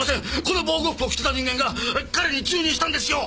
この防護服を着てた人間が彼に注入したんですよ！